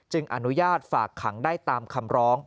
อนุญาตฝากขังได้ตามคำร้อง